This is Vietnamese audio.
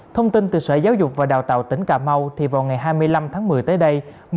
thông tin từ sở giáo dục và đào tạo tỉnh cà mau vào ngày hai mươi năm tháng một mươi tới đây